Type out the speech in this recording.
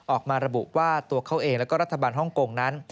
ออกมาระบุว่าตัวเขาเองแล้วก็รัฐบาลฮ่องกงนั้น